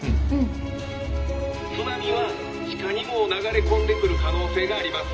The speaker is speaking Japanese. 「津波は地下にも流れ込んでくる可能性があります」。